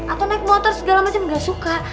atau naik motor segala macem ga suka